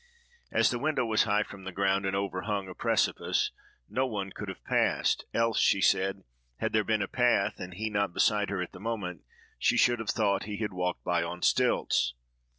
As the window was high from the ground, and overhung a precipice, no one could have passed; else, she said, "Had there been a path, and he not beside her at the moment, she should have thought he had walked by on stilts."